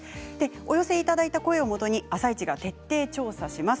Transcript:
お寄せいただいた声をもとに「あさイチ」が徹底調査します。